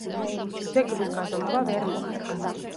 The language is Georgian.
ძეგლის გაზომვა ვერ მოხერხდა.